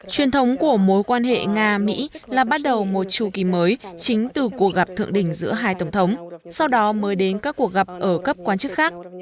truyền thống của mối quan hệ nga mỹ là bắt đầu một trù kỳ mới chính từ cuộc gặp thượng đỉnh giữa hai tổng thống sau đó mới đến các cuộc gặp ở cấp quan chức khác